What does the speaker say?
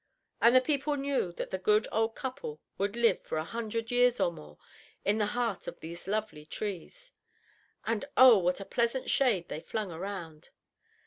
And the people knew that the good old couple would live for a hundred years or more in the heart of these lovely trees. And oh, what a pleasant shade they flung around!